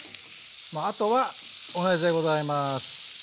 あとは同じでございます。